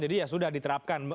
jadi ya sudah diterapkan